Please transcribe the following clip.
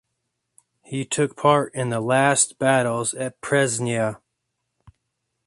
He took part in the last battles at Presnya.